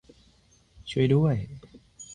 ช่วยด้วย !